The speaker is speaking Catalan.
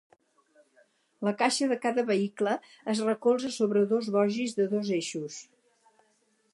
La caixa de cada vehicle es recolza sobre dos bogis de dos eixos.